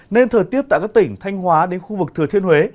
nên thời tiết tại các tỉnh thanh hóa đến khu vực thừa thiên huế